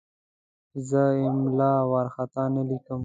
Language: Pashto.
زه املا وارخطا نه لیکم.